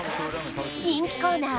人気コーナー